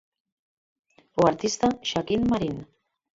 O artista Xaquín Marín.